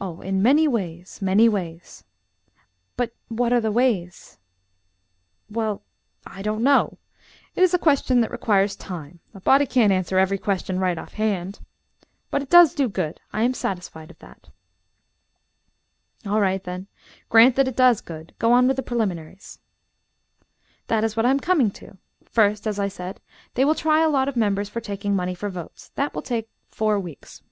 "Oh, in many ways, many ways." "But what are the ways?" "Well I don't know it is a question that requires time; a body can't answer every question right off hand. But it does do good. I am satisfied of that." "All right, then; grant that it does good; go on with the preliminaries." "That is what I am coming to. First, as I said, they will try a lot of members for taking money for votes. That will take four weeks."